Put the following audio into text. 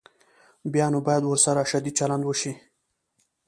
بیا نو باید ورسره شدید چلند وشي.